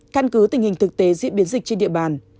căn cứ tình hình thực tế diễn biến dịch trên địa bàn